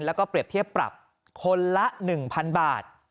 แล้วก็เปรียบเทียบปรับคนละ๑๐๐๐บาท